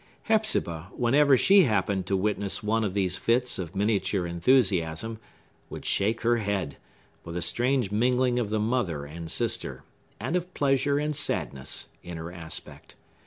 Hepzibah, whenever she happened to witness one of these fits of miniature enthusiasm, would shake her head, with a strange mingling of the mother and sister, and of pleasure and sadness, in her aspect.